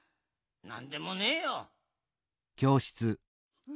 なんでもねえよ。